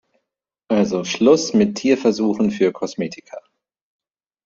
Also Schluss mit Tierversuchen für Kosmetika.